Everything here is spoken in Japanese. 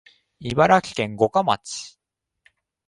茨城県五霞町